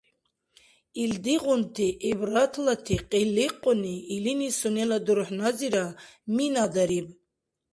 Илдигъунти гӀибратлати къиликъуни илини сунела дурхӀназира минадариб.